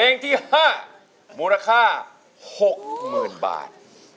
เพลงที่๕มูลค่า๖๐๐๐๐บาท